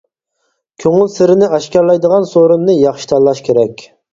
كۆڭۈل سىرىنى ئاشكارىلايدىغان سورۇننى ياخشى تاللاش كېرەك.